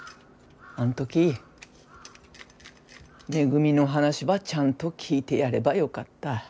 あん時めぐみの話ばちゃんと聞いてやればよかった。